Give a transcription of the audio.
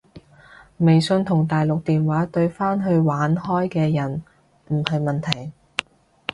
微信同大陸電話對返去玩開嘅人唔係問題